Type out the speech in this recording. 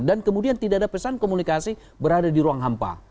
dan kemudian tidak ada pesan komunikasi berada di ruang hampa